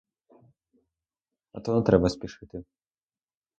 А то не треба спішити.